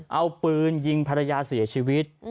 เอาปืนยิงภรรยาเสียชีวิต